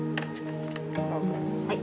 はい。